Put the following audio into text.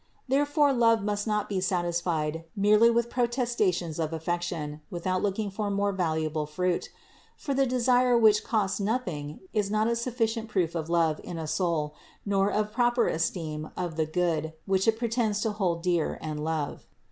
There fore love must not be satisfied merely with mere protes tations of affection without looking for more valuable fruit; for the desire which costs nothing is not a suffi cient proof of love in a soul, nor of its proper esteem of the good which it pretends to hold clear and love.